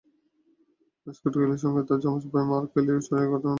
Scott কেলির সঙ্গে তাঁর যমজ ভাই মার্ক কেলির শারীরিক গঠনের প্রায় হুবহু মিল।